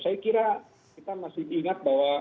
saya kira kita masih diingat bahwa